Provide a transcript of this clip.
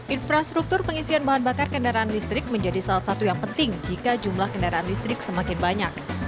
infrastruktur pengisian bahan bakar kendaraan listrik menjadi salah satu yang penting jika jumlah kendaraan listrik semakin banyak